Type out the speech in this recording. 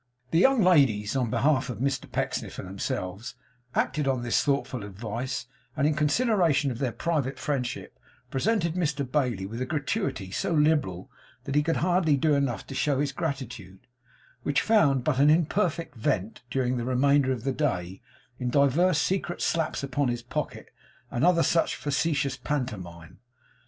The young ladies, on behalf of Mr Pecksniff and themselves, acted on this thoughtful advice; and in consideration of their private friendship, presented Mr Bailey with a gratuity so liberal that he could hardly do enough to show his gratitude; which found but an imperfect vent, during the remainder of the day, in divers secret slaps upon his pocket, and other such facetious pantomime.